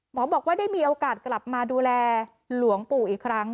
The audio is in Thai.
บอกว่าได้มีโอกาสกลับมาดูแลหลวงปู่อีกครั้ง